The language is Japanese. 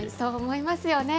そう思いますよね。